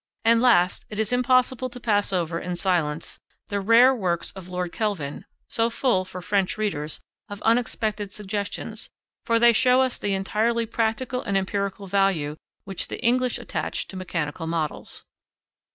And last, it is impossible to pass over, in silence, the rare works of Lord Kelvin, so full, for French readers, of unexpected suggestions, for they show us the entirely practical and empirical value which the English attach to mechanical models.